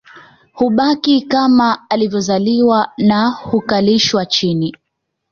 Hubaki kama alivyozaliwa na kukalishwa chini